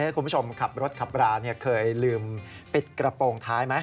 คุณผู้ชมรถขับร้านเนี่ยเคยลืมปิดกระโปรงท้ายไหม